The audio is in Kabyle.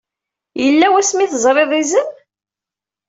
Yella wasmi ay teẓriḍ izem?